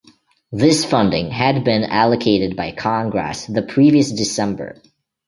This funding had been allocated by Congress the previous December.